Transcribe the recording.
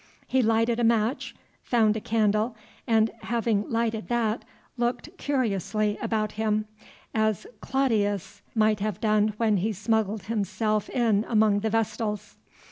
He lighted a match, found a candle, and, having lighted that, looked curiously about him, as Clodius might have done when he smuggled himself in among the Vestals.